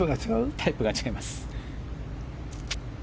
タイプが違いますね。